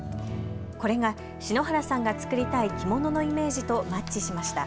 これが篠原さんが作りたい着物のイメージとマッチしました。